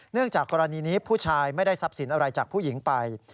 จากกรณีนี้ผู้ชายไม่ได้ทรัพย์สินอะไรจากผู้หญิงไป